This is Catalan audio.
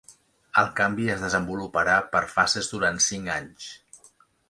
El canvi es desenvoluparà per fases durant cinc anys.